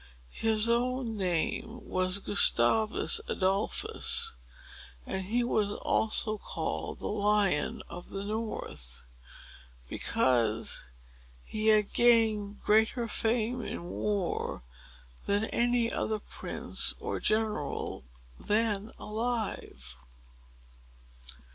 His own name was Gustavus Adolphus; and he was also called the Lion of the North, because he had gained greater fame in war than any other prince or general then alive.